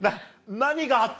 何があった？